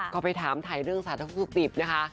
ก็ไปถามไทยเรื่องสถานประศูักดิบนะคะ